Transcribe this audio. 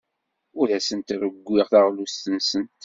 Ur asent-rewwiɣ taɣlust-nsent.